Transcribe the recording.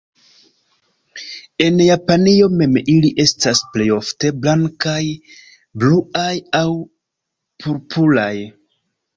En Japanio mem ili estas plejofte blankaj, bluaj aŭ purpuraj.